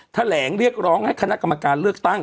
แถลงเรียกร้องให้คณะกรรมการเลือกตั้ง